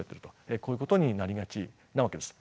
こういうことになりがちなわけです。